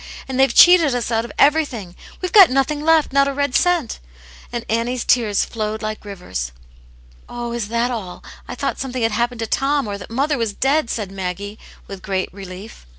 And they've cheated us out of everything. We've got nothing left, not a red cent." * And Annie's tears flowed like rivers. " Oh, is that all ? I thought something had hap pened to Tom, or that mother was dead," said Maggie, with great relief.